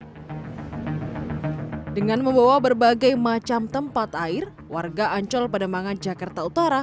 hai dengan membawa berbagai macam tempat air warga ancol pada mangan jakarta utara